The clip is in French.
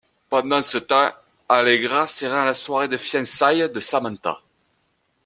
Pendant ce temps, Allegra se rend à la soirée de fiançailles de Samantha.